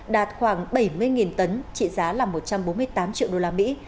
đạt khoảng bảy mươi tấn trị giá là một trăm bốn mươi tám triệu đô la mỹ